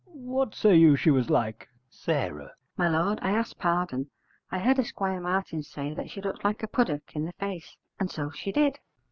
What say you she was like? S. My lord, I ask pardon; I heard Esquire Martin say she looked like a puddock in the face; and so she did.